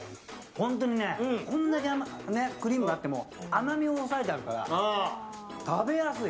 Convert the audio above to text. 本当にこんだけクリームがあっても甘みを抑えてあるから食べやすい。